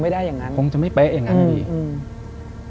มันคงจะไม่ไปอย่างนั้น